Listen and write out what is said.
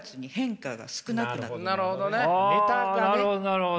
なるほどね。